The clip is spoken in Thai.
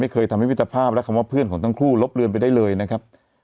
เคยทำให้วิทภาพและคำว่าเพื่อนของทั้งคู่ลบเลือนไปได้เลยนะครับ